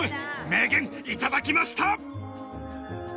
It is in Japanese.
名言いただきました！